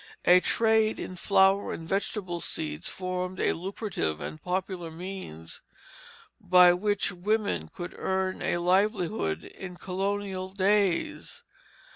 A trade in flower and vegetable seeds formed a lucrative and popular means by which women could earn a livelihood in colonial days.